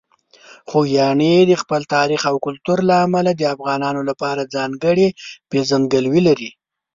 خوږیاڼي د خپل تاریخ او کلتور له امله د افغانانو لپاره ځانګړې پېژندګلوي لري.